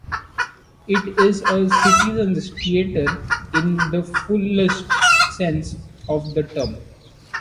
It is a citizens' theatre in the fullest sense of the term.